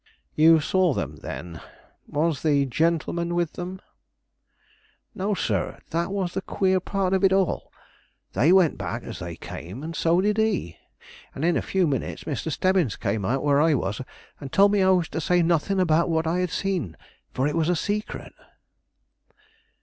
"You saw them, then. Was the gentleman with them?" "No, sir; that was the queer part of it all. They went back as they came, and so did he; and in a few minutes Mr. Stebbins came out where I was, and told me I was to say nothing about what I had seen, for it was a secret."